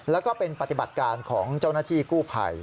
แล้วก็เป็นปฏิบัติการของเจ้าหน้าที่กู้ภัย